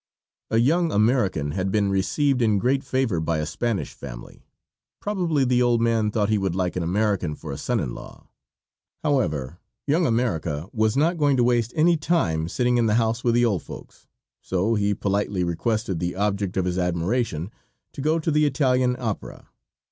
A young American had been received in great favor by a Spanish family; probably the old man thought he would like an American for a son in law. However, young America was not going to waste any time sitting in the house with the old folks, so he politely requested the object of his admiration to go to the Italian opera.